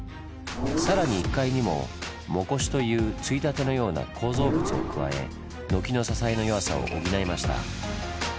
更に１階にも「裳階」というついたてのような構造物を加え軒の支えの弱さを補いました。